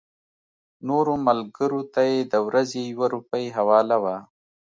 نورو ملګرو ته یې د ورځې یوه روپۍ حواله وه.